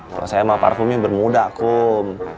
kalau saya sama parfumnya bermuda kum